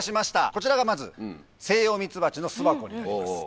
こちらがまずセイヨウミツバチの巣箱になります。